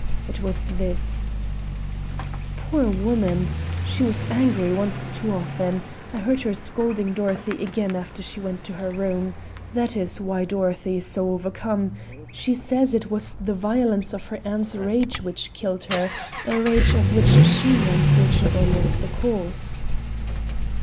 It was this: "Poor woman! she was angry once too often. I heard her scolding Dorothy again after she went to her room. That is why Dorothy is so overcome. She says it was the violence of her aunt's rage which killed her, a rage of which she unfortunately was the cause."